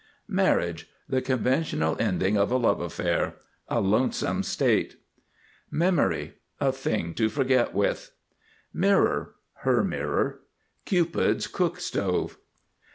MARRIAGE. The conventional ending of a love affair. A lonesome state. MEMORY. A thing to forget with. MIRROR (her mirror). Cupid's cook stove.